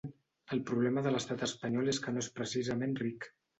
El problema de l’estat espanyol és que no és precisament ric.